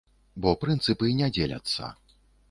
Бо прынцыпы не дзеляцца.